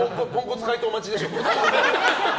ポンコツ解答待ちでしょ。